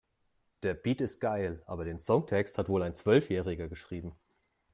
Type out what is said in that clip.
Der Beat ist geil, aber den Songtext hat wohl ein Zwölfjähriger geschrieben.